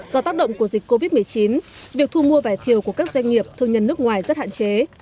do tác động của dịch covid một mươi chín việc thu mua vải thiều của các doanh nghiệp thương nhân nước ngoài rất hạn chế